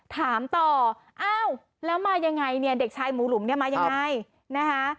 ถามต่ออ้าวแล้วมายังไงเนี่ยเด็กชายหมูหลุมเนี่ยมายังไงนะคะ